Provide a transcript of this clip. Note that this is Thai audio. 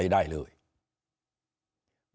ไม่มีใครช่วยอะไรได้เลย